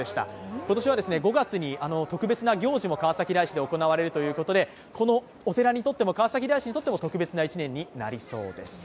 今年は５月に特別な行事も川崎大師で行われるということでこのお寺にとっても川崎大師にとっても特別な一年になりそうです。